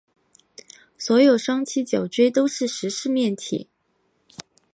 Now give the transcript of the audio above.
所有双七角锥都是十四面体。